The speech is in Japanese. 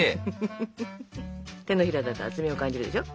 手のひらだと厚みを感じるでしょ。